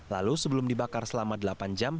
lalu sebelum dibakar selama delapan jam